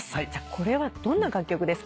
これはどんな楽曲ですか？